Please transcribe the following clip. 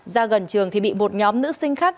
ra gần trường thì bị một nhóm nữ sinh khác